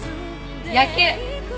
野球！